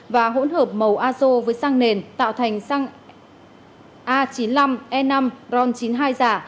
và hỗn hợp màu azo với sang nền tạo thành xăng a chín mươi năm e năm ron chín mươi hai giả